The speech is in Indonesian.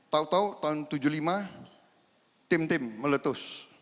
tahu tahu tahun seribu sembilan ratus tujuh puluh lima tim tim meletus